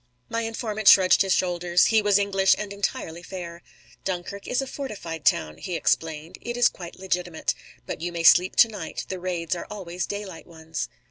My informant shrugged his shoulders. He was English, and entirely fair. "Dunkirk is a fortified town," he explained. "It is quite legitimate. But you may sleep to night. The raids are always daylight ones."